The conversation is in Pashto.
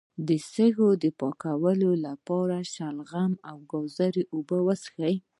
د سږو د پاکوالي لپاره د شلغم او ګازرې اوبه وڅښئ